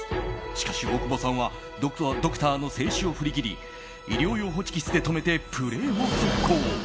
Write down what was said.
しかし、大久保さんはドクターの制止を振り切り医療用ホチキスでとめてプレーを続行。